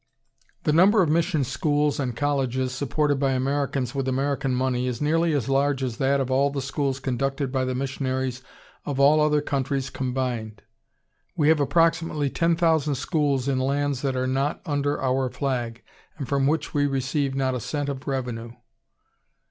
The number of mission schools and colleges supported by Americans with American money is nearly as large as that of all the schools conducted by the missionaries of all other countries combined. We have approximately 10,000 schools in lands that are not under our flag and from which we receive not a cent of revenue.